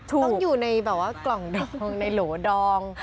ต้องอยู่ในแบบว่ากล่องดองในโหลดอง